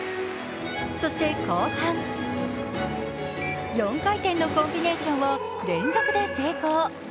そして後半、４回転のコンビネーションを連続で成功。